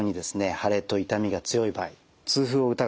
腫れと痛みが強い場合痛風を疑ってですね